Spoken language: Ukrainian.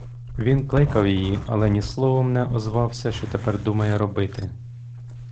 Він кликав її, але ні словом не озвався, що тепер думає робити.